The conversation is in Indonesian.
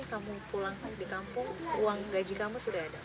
kamu pulang di kampung uang gaji kamu sudah ada